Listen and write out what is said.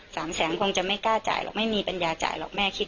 สามแสนคงจะไม่กล้าจ่ายหรอกไม่มีปัญญาจ่ายหรอกแม่คิด